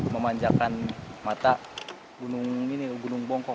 memanjakan mata gunung bongkok